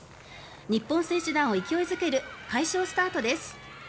日本選手団を勢い付ける快勝スタートです。